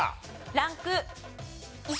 ランク１。